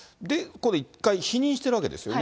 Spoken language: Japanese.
ここで一回否認しているわけですよね。